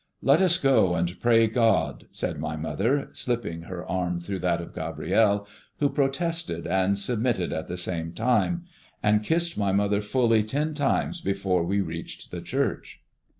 "Let us go and pray God," said my mother, slipping her arm through that of Gabrielle, who protested and submitted at the same time, and kissed my mother fully ten times before we reached the church.